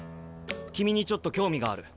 君にちょっと興味がある。